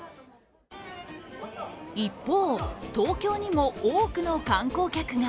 一方、東京にも多くの観光客が。